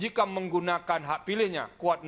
jika menggunakan hak pilihnya kuat